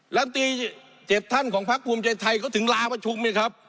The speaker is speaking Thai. แล้วตีเจ็ดท่านของพระคุมใจไทยก็ถึงลาประชุมเนี่ยครับ